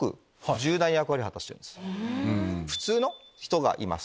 普通の人がいます